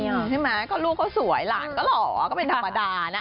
ใช่ไหมก็ลูกเขาสวยหลานก็หล่อก็เป็นธรรมดานะ